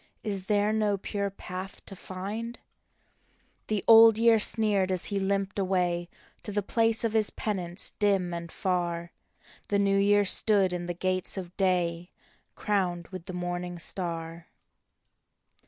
Is there no pure path to find? " The Old Year sneered as he limped away To the place of his penance dim and far. The New Year stood in the gates of day, Crowned with the morning star.